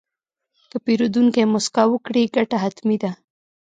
که پیرودونکی موسکا وکړي، ګټه حتمي ده.